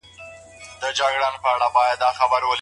کله چي ته له ناوې سره مخ شې پر څه يې امر کړه؟